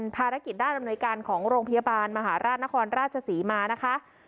ภารกิจด้านอำนวยการของโรงพยาบาลมหาราชนครราชศรีมานะคะ